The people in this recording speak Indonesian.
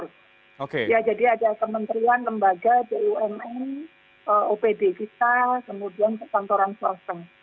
jadi ada kementerian lembaga bumn opd kita kemudian kantoran swasta